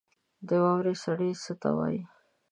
د واورې سړي ته څه وايي؟